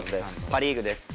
パ・リーグです。